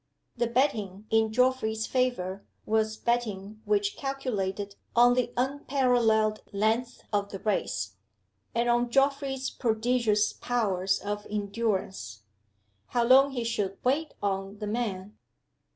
The betting in Geoffrey's favor was betting which calculated on the unparalleled length of the race, and on Geoffrey's prodigious powers of endurance. How long he should "wait on" the man?